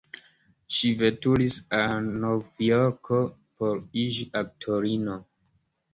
Ŝi veturis al Novjorko, por iĝi aktorino.